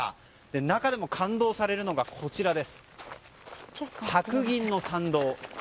中でも感動されるのが白銀の参道。